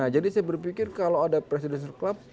jadi saya berpikir kalau ada presidential club